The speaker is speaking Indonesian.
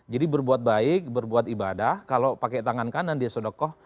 jadi berbuat baik berbuat ibadah kalau pakai tangan kanan dia sodekoh